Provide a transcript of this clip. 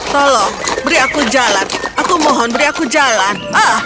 tolong beri aku jalan aku mohon beri aku jalan